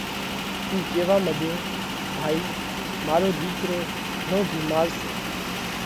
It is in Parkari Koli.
اُو ڪيوا مڏيو: ڀائِي مارو ۮِيڪرو گھڻو ڀيمار سئہ،